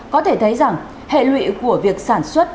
có thể thấy rằng hệ lụy của việc sản xuất